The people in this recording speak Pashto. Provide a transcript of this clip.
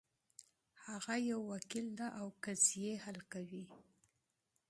هغه یو وکیل ده او قضیې حل کوي